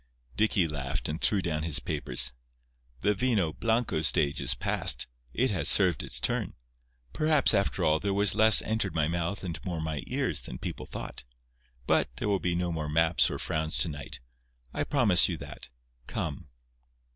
Dicky laughed and threw down his papers. "The vino blanco stage is past. It has served its turn. Perhaps, after all, there was less entered my mouth and more my ears than people thought. But, there will be no more maps or frowns to night. I promise you that. Come."